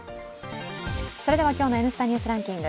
今日の「Ｎスタ・ニュースランキング」